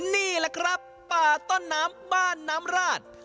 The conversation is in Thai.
นี่แหละครับป่าต้นน้ำบ้านน้ำราด